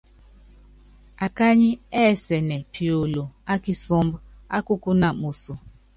Akanyiɛ́ ɛsɛ́nɛ piolo ákisúmbɔ́ ákukúna moso.